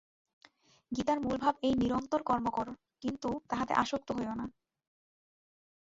গীতার মূলভাব এই নিরন্তর কর্ম কর, কিন্তু তাহাতে আসক্ত হইও না।